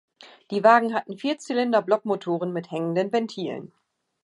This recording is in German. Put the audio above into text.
Die Wagen hatten Vierzylinder-Blockmotoren mit hängenden Ventilen.